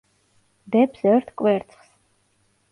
დებს ერთ კვერცხს.